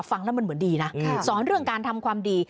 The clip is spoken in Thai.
ฟังแล้วมันเหมือนดีนะสอนเรื่องการทำความดี